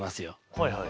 はいはい。